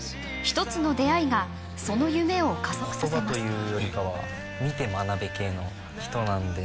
一つの出会いがその夢を加速させます。